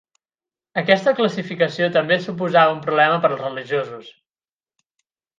Aquesta classificació també suposava un problema per als religiosos.